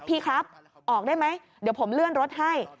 พี่ครับออกได้ไหมเดี๋ยวผมเลื่อนรถให้